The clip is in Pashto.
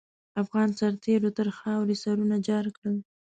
افغان سرتېرو تر خاروې سرونه جار کړل.